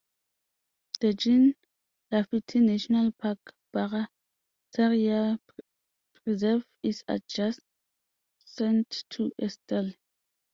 The Jean Lafitte National Park Barataria Preserve is adjacent to Estelle.